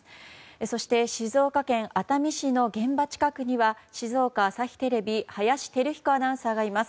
そして、静岡県熱海市の現場近くには静岡朝日テレビ林輝彦アナウンサーがいます。